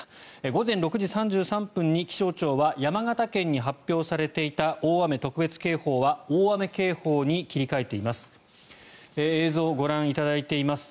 午前６時３３分に気象庁は山形県に発表されていた大雨特別警報は大雨警報に切り替えています。